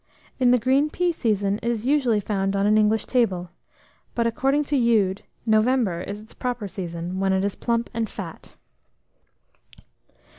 In the green pea season it is usually found on an English table; but, according to Ude, "November is its proper season, when it is plump and fat."